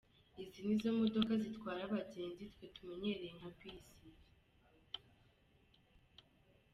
Izi nizo modoka zitwara abagenzi, twe tumenyereye nka Bus.